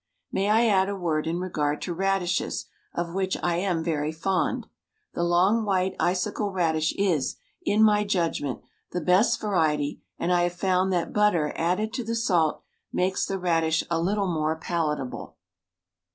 May I add a word in regard to radishes, of which I am very fond. The long White Icicle radish is, in my judgment, the best variety and I have found that butter added to the salt makes the radish a little more palatable.